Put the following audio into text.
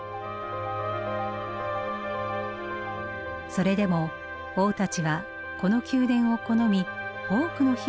それでも王たちはこの宮殿を好み多くの日々を過ごしたといいます。